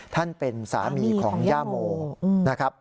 ท่านเป็นสามีของย่าโมนะครับ